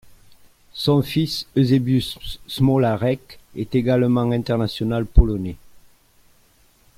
Son fils Euzebiusz Smolarek est également international polonais.